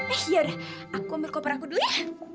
eh yaudah aku ambil kopernya dulu ya